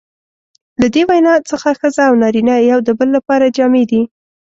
له دې وینا څخه ښځه او نارینه یو د بل لپاره جامې دي.